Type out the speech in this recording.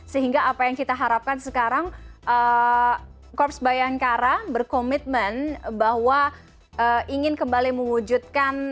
sehingga apa yang kita harapkan sekarang korps bayangkara berkomitmen bahwa ingin kembali mewujudkan